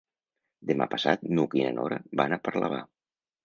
Demà passat n'Hug i na Nora van a Parlavà.